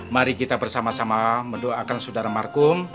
mari kita bersama sama mendoakan saudara markum